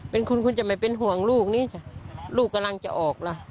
เป็นคุณคุณจะไม่เป็นห่วงลูกนี่จ้ะลูกกำลังจะออกล่ะ